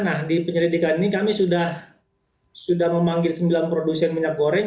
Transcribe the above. nah di penyelidikan ini kami sudah memanggil sembilan produsen minyak goreng